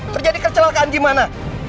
terjadi kecelakaan gimana